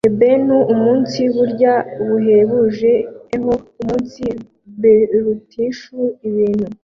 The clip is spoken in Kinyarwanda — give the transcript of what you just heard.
ebentu umunsi buryo buhebuje eho umunsiberutishe ibintu.